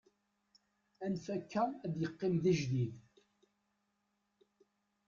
anef akka ad yeqqim d ajdid